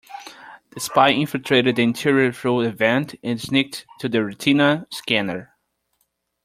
The spy infiltrated the interior through a vent and sneaked to the retina scanner.